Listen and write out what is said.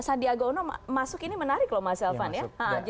sandiaga uno masuk ini menarik loh mas elvan ya